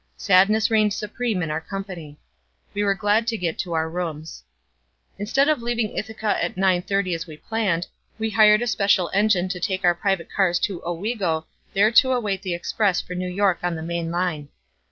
Sadness reigned supreme in our company. We were glad to get to our rooms. Instead of leaving Ithaca at 9:30 as we had planned, we hired a special engine to take our private cars to Owego there to await the express for New York on the main line.